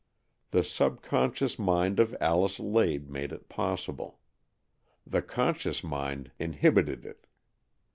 The sub conscious mind of Alice Lade made it possible. The conscious mind inhibited it.